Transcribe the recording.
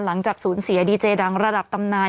หลังจากศูนย์เสียดีเจดังระดับตำนาน